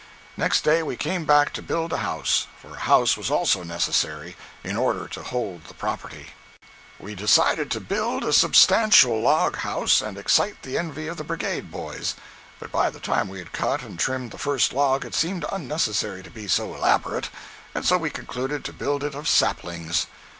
Next day we came back to build a house—for a house was also necessary, in order to hold the property. 172.jpg (142K) We decided to build a substantial log house and excite the envy of the Brigade boys; but by the time we had cut and trimmed the first log it seemed unnecessary to be so elaborate, and so we concluded to build it of saplings.